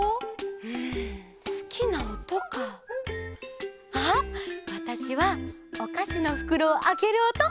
うんすきなおとか。あっわたしはおかしのふくろをあけるおと！